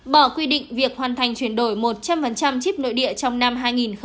bỏ quy định việc hoàn thành chuyển đổi một trăm linh chip nội địa trong năm hai nghìn hai mươi